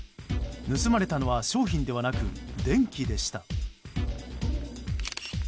盗まれたのは商品ではなく電気でした。